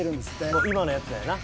もう今のやつやな。